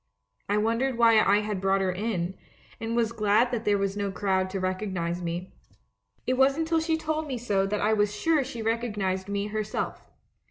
I wondered why I had brought her in, and was glad that there was no crowd to recognize me. It wasn't till she told me so that I was sure she recognised me herself.